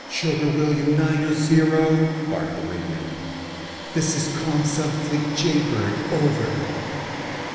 "Sugar William Niner Zero," barked the radio. "This is Commsubfleet Jaybird. Over."